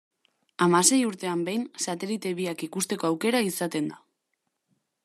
Hamasei urtean behin satelite biak ikusteko aukera izaten da.